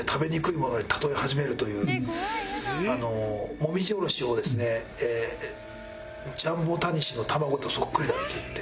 もみじおろしをですね「ジャンボタニシの卵とそっくりだ」って言って。